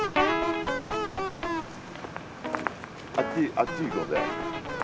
あっち行こうぜ。